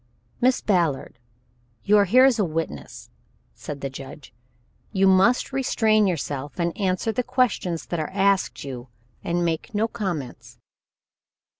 "Miss Ballard, you are here as a witness," said the judge. "You must restrain yourself and answer the questions that are asked you and make no comments."